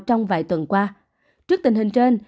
trong vài tuần qua trước tình hình trên